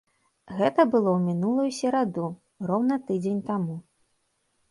Гэта было ў мінулую сераду, роўна тыдзень таму.